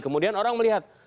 kemudian orang melihat